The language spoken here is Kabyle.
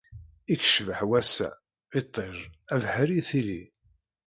I yecbeḥ wass-a! Iṭij, abeḥri, tili.